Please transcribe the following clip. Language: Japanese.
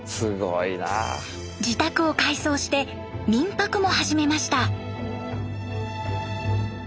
自宅を改装して民泊も始めました。